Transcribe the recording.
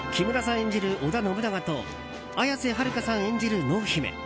演じる織田信長と綾瀬はるかさん演じる濃姫。